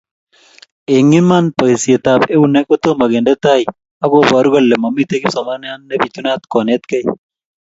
Eng iman boisietab eunek kotomo kende tai ak koboru kole mamitei kipsomaniat nebitunat konetkei